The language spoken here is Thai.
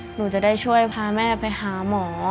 หนูจะได้ช่วยพาแม่ไปหาหมอ